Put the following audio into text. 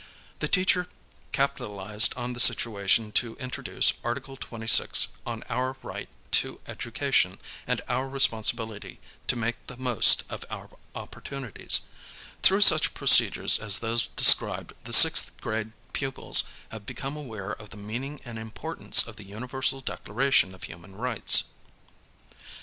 The teacher capitalized on the situation to introduce Article 26 on our right to education, and our responsibility to make the most of our opportunities. Through such procedures as those described the sixth grade pupils have become aware of the meaning and importance of the Universal Declaration of Human Rights.